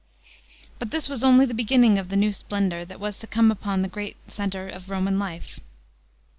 * But this was only the beginning of the new splendour that was to come upon the great centre of Roman life.